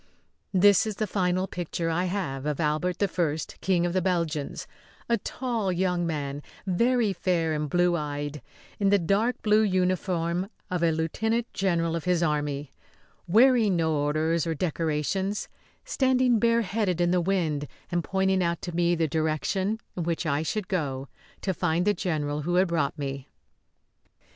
That is the final picture I have of Albert I, King of the Belgians a tall young man, very fair and blue eyed, in the dark blue uniform of a lieutenant general of his army, wearing no orders or decorations, standing bareheaded in the wind and pointing out to me the direction in which I should go to find the general who had brought me.